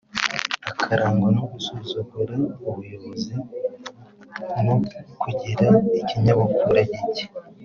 akarangwa no gusuzugura ubuyobokzi no kugira ikinyabupfura gike